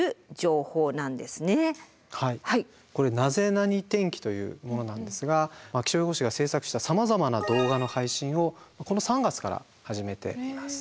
ナニ？天気」というものなんですが気象予報士が制作したさまざまな動画の配信をこの３月から始めています。